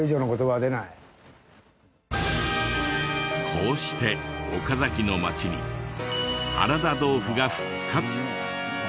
こうして岡崎の町に原田豆腐が復活。